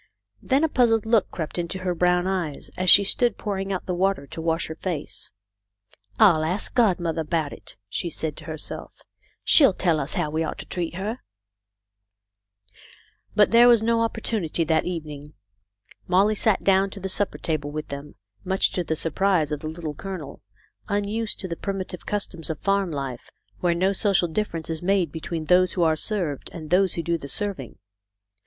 Then a puzzled look crept into her brown eyes, as she stood pouring out the water to wash her face. " I'll ask godmother about it," she said to herself. " She'll tell us how we ought to treat her." 44 THE LITTLE COLONEL'S HOLIDAYS But there was no opportunity that evening. Molly sat down to the supper table with them, much to the surprise of the Little Colonel, unused to the primitive customs of farm life, where no social difference is made between those who are served and those who do the serving.